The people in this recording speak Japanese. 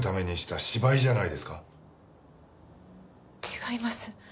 違います。